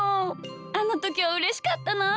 あのときはうれしかったなあ。